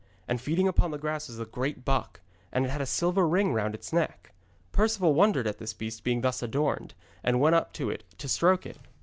And feeding upon the grass was a great buck, and it had a silver ring round its neck. Perceval wondered at this beast being thus adorned, and went up to it to stroke it.